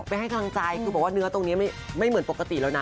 ไปให้กำลังใจคือบอกว่าเนื้อตรงนี้ไม่เหมือนปกติแล้วนะ